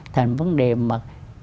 thành vấn đề mà